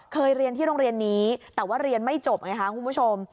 เรียนที่โรงเรียนนี้แต่ว่าเรียนไม่จบไงคะคุณผู้ชม